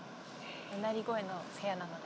唸り声の部屋なので。